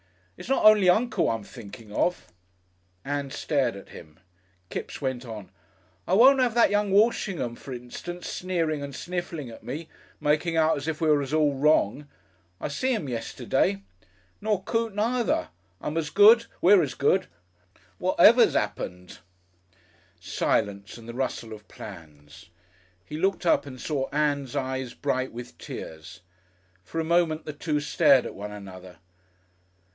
"It's not only Uncle I'm thinking of!" Ann stared at him. Kipps went on. "I won't 'ave that young Walshingham f'r instance, sneering and sniffling at me. Making out as if we was all wrong. I see 'im yesterday.... Nor Coote neether. I'm as good we're as good. Whatever's 'appened." Silence and the rustle of plans. He looked up and saw Ann's eyes bright with tears. For a moment the two stared at one another.